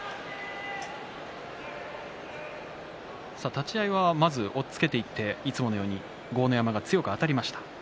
立ち合いはまず押っつけていっていつものように豪ノ山が強くあたりました。